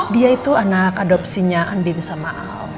dia itu anak adopsinya andin sama ahok